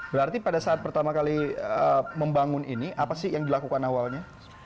berarti pada saat pertama kali membangun ini apa sih yang dilakukan awalnya